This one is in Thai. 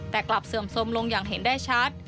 แต่กลับเสื่อมสมลงอย่างเห็นได้ชัด